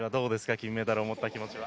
金メダルを持った気持ちは。